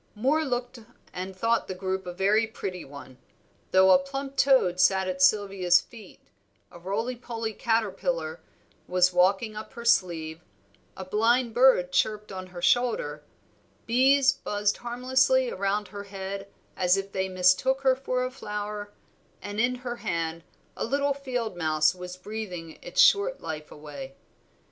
Moor looked, and thought the group a very pretty one, though a plump toad sat at Sylvia's feet, a roly poly caterpillar was walking up her sleeve, a blind bird chirped on her shoulder, bees buzzed harmlessly about her head, as if they mistook her for a flower, and in her hand a little field mouse was breathing its short life away.